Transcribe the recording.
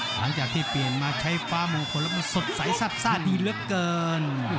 หลังจากที่เปลี่ยนมาใช้ฟ้ามงคลแล้วมันสดใสซับซ่าดีเหลือเกิน